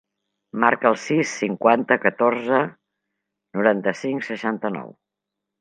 Marca el sis, cinquanta, catorze, noranta-cinc, seixanta-nou.